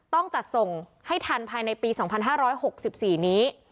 ต้องจัดส่งให้ทันภายในปี๒๕๖๔นี้